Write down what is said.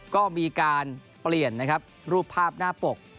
ก็มีการเปลี่ยนรูปภาพหน้าปก